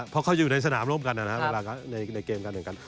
เพราะเขายังอยู่ในสนามร่วมกันในเกมกันอย่างกัน